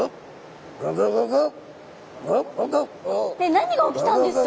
えっ何が起きたんですか？